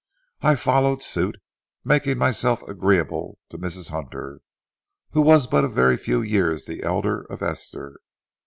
I followed suit, making myself agreeable to Mrs. Hunter, who was but very few years the elder of Esther.